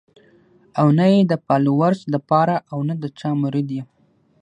او نۀ ئې د فالوورز د پاره او نۀ د چا مريد يم